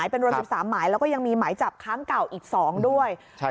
เป็นรวม๑๓หมายแล้วก็ยังมีหมายจับค้างเก่าอีก๒ด้วย